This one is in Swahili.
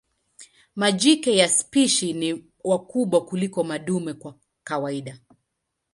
Majike ya spishi ni wakubwa kuliko madume kwa kawaida.